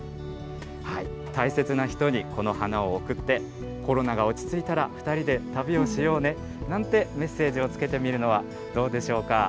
大切な人にこの花を贈って、コロナが落ち着いたら２人で旅をしようね、なんてメッセージをつけてみるのはどうでしょうか。